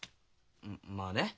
まあね。